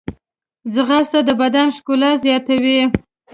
ځغاسته د بدن ښکلا زیاتوي